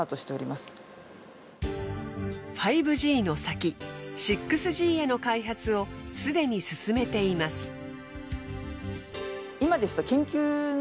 ５Ｇの先６Ｇへの開発をすでに進めています。